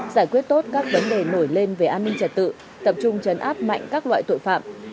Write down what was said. giải quyết tốt các vấn đề nổi lên về an ninh trật tự tập trung chấn áp mạnh các loại tội phạm